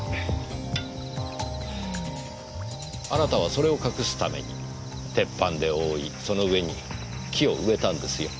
あなたはそれを隠すために鉄板で覆いその上に木を植えたんですよ。